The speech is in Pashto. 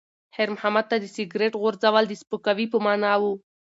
خیر محمد ته د سګرټ غورځول د سپکاوي په مانا و.